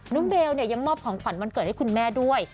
เบลยังมอบของขวัญวันเกิดให้คุณแม่ด้วย